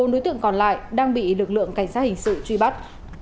bốn đối tượng còn lại đang bị lực lượng cảnh sát hình sự truy bắt